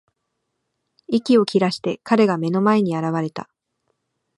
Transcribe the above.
息を切らして、彼が目の前に現れた。